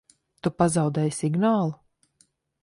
Tu pazaudēji signālu?